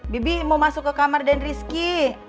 bibi mau masuk ke kamar dendry risky